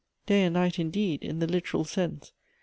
Day and night, indeed, in the literal sense.